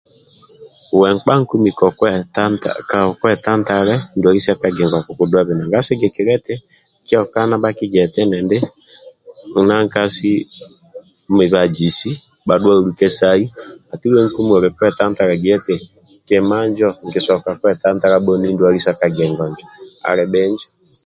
Uwe nkpa nkumi kokwetantale nduali sa kagingo akukudwabe nanga sigikilia eti kioka nibhakigia eti enindi kimasi mibazisi bhadhuwa holukesai ati uwe nkumi oli nakwetantala na gia eti kima injo nikitoka bhoni kwetantala nduali injo sa kagingo Injo, alibhinjo